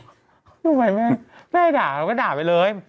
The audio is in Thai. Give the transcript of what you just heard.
ทำไมแม่แม่ด่าเราก็ด่าไปเลย